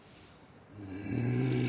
うん。